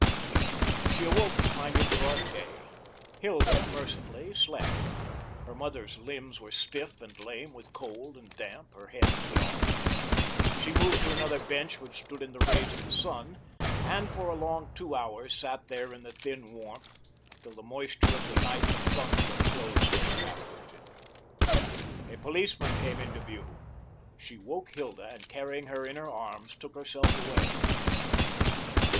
She awoke to find it broad day. Hilda mercifully slept. Her mother's limbs were stiff and lame with cold and damp; her head throbbed. She moved to another bench which stood in the rays of the sun, and for a long two hours sat there in the thin warmth, till the moisture of the night that clung to her clothes was evaporated. A policeman came into view. She woke Hilda, and carrying her in her arms, took herself away.